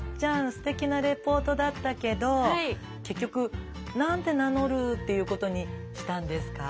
すてきなレポートだったけど結局何て名乗るっていうことにしたんですか？